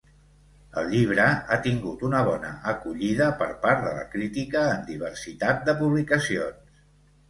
El llibre ha tingut una bona acollida per part de la crítica en diversitat de publicacions.